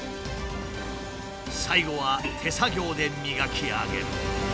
最後は手作業で磨き上げる。